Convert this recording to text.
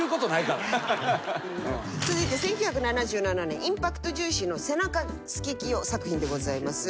続いて１９７７年インパクト重視の背中スケキヨ作品でございます。